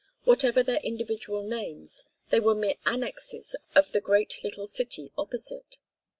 Whatever their individual names they were mere annexes of the great little city opposite.